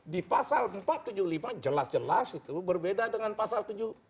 di pasal empat ratus tujuh puluh lima jelas jelas itu berbeda dengan pasal empat ratus tujuh puluh empat